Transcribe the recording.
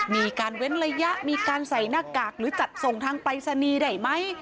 มีการเว้นระยะมีการใส่หน้ากากหรือจัดส่งทางปรายศนีย์ได้ไหม